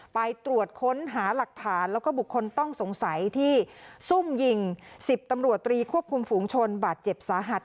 ไปตรวจค้นหาหลักฐานแล้วก็บุคคลต้องสงสัยที่ซุ่มยิง๑๐ตำรวจตรีควบคุมฝูงชนบาดเจ็บสาหัส